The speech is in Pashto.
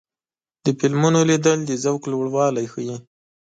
د فلمونو لیدل د ذوق لوړوالی ښيي.